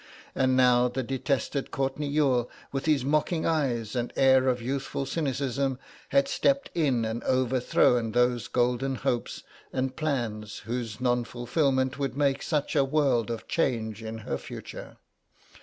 And now the detested Courtenay Youghal, with his mocking eyes and air of youthful cynicism, had stepped in and overthrown those golden hopes and plans whose non fulfilment would make such a world of change in her future.